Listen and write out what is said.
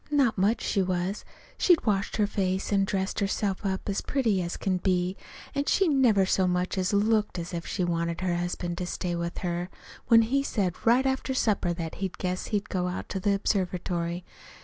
Not much she was! She'd washed her face an' dressed herself up as pretty as could be, an' she never so much as looked as if she wanted her husband to stay with her, when he said right after supper that he guessed he'd go out to the observatory.